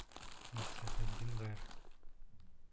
Мифтахетдин ғәр.